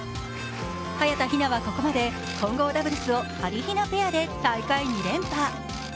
早田ひなはここまで混合ダブルスをはりひなペアで大会２連覇。